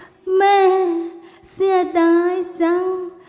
ไม่มีแม่เสียดายจัง